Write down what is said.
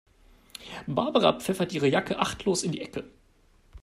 Barbara pfeffert ihre Jacke achtlos in die Ecke.